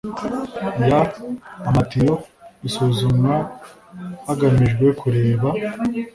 Y amatiyo bisuzumwa hagamijwe kureba